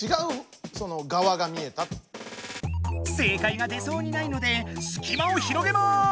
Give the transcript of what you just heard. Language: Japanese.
正解が出そうにないのですき間を広げます！